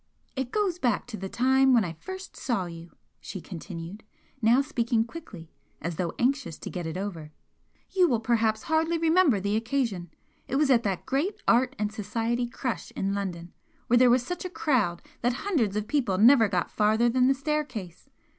"It goes back to the time when I first saw you," she continued, now speaking quickly as though anxious to get it over "You will perhaps hardly remember the occasion. It was at that great art and society "crush" in London where there was such a crowd that hundreds of people never got farther than the staircase.